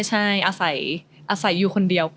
ใช่อาศัยอยู่คนเดียว